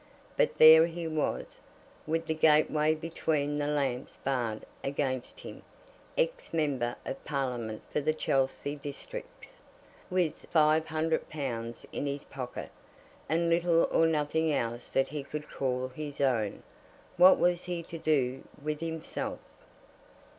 But there he was, with the gateway between the lamps barred against him, ex Member of Parliament for the Chelsea Districts, with five hundred pounds in his pocket, and little or nothing else that he could call his own. What was he to do with himself?